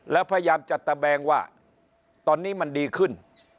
แล้วพยายามจะตะแบงว่าตอนนี้มันดีขึ้น